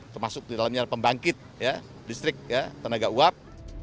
termasuk di dalamnya pembangkit listrik tenaga uap